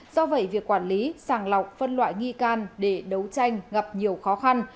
do vậy việc quản lý sàng lọc phân loại nghi can để đấu tranh gặp nhiều khó khăn